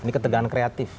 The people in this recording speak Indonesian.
ini ketegangan kreatif